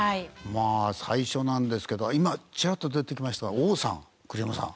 まあ最初なんですけど今チラッと出てきました王さん栗山さん